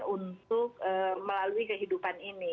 untuk melalui kehidupan ini